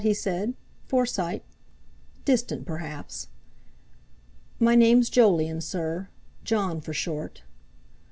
he said. "Forsyte? Distant, perhaps." "My name's Jolyon, sir. Jon, for short."